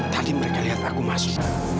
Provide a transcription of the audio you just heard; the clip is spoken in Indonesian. tadi mereka lihat aku masuk